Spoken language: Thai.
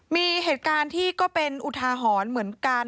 มีเหตุการณ์ที่ก็เป็นอุทาหรณ์เหมือนกัน